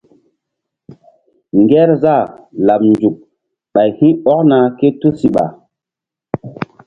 Ŋgerzah laɓ nzuk ɓay hi̧ ɔkna ké tusiɓa.